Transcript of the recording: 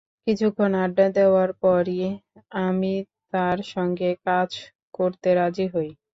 কিছুক্ষণ আড্ডা দেওয়ার পরই আমি তাঁর সঙ্গে কাজ করতে রাজি হই।